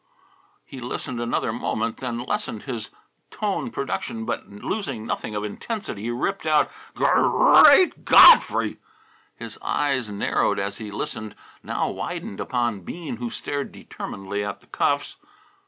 He listened another moment, then lessening his tone production but losing nothing of intensity, he ripped out: "Gur reat Godfrey!" His eyes, narrowed as he listened, now widened upon Bean who stared determinedly at the cuffs.